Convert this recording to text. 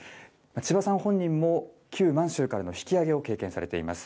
ちばさん本人も旧満州からの引き揚げを経験されています。